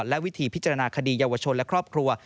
และวิธีพิจารณาคดีเยาวชนและครอบครัว